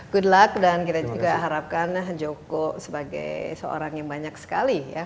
good luck dan kita juga harapkan joko sebagai seorang yang banyak sekali ya